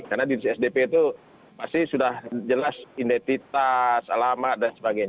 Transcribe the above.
karena di sdp itu pasti sudah jelas identitas alamat dan sebagainya